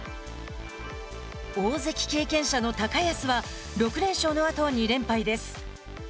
大関経験者の高安は６連勝のあと２連敗です。